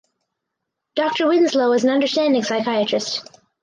Doctor Winslow is an understanding psychiatrist.